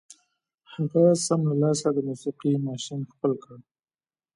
هغه سم له لاسه د موسيقۍ ماشين خپل کړ.